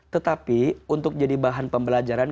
tetapi untuk jadi bahan pembelajaran